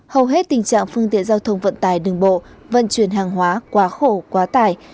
hầu hết tình trạng phương tiện giao thông vận tải đường bộ vận chuyển hàng hóa quá khổ quá tải